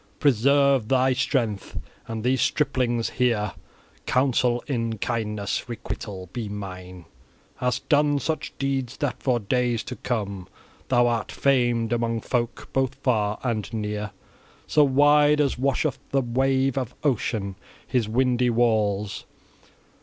Preserve thy strength, and these striplings here counsel in kindness: requital be mine. Hast done such deeds, that for days to come thou art famed among folk both far and near, so wide as washeth the wave of Ocean his windy walls.